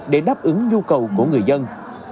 để đáp ứng nhu cầu của người dân